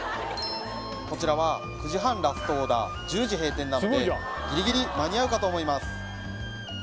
こちらは９時半ラストオーダー１０時閉店なのでギリギリ間に合うかと思います